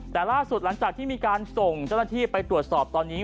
แต่ล่าสุดหลังจากที่มีการส่งเจ้าหน้าที่ไปตรวจสอบตอนนี้